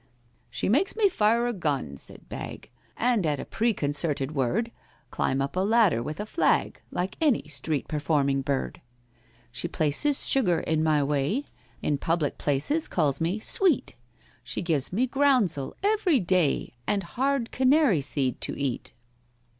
"She makes me fire a gun," said BAGG; "And, at a preconcerted word, Climb up a ladder with a flag, Like any street performing bird. "She places sugar in my way— In public places calls me 'Sweet!' She gives me groundsel every day, And hard canary seed to eat."